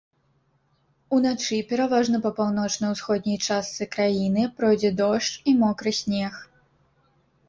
Уначы пераважна па паўночна-ўсходняй частцы краіны пройдзе дождж і мокры снег.